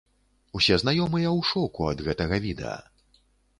Усе знаёмыя ў шоку ад гэтага відэа.